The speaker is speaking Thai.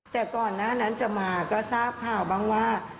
แต่ก่อนหน้านั้นจะมาก็ทราบข่าวบ้างว่า